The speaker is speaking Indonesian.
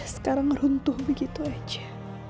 sekarang runtuh begitu aja